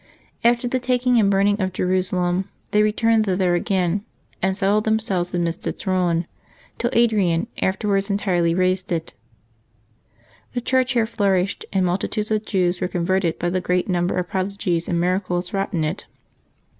After the taking and burning of Jerusalem they returned thither again, and settled themselves amidst its ruins, till Adrian afterwards entirely razed it. The Cliurch here flourished, and multitudes of Jews were con verted by the great number of prodigies and miracles wrought in it.